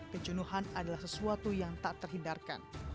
kecunuhan adalah sesuatu yang tak terhindarkan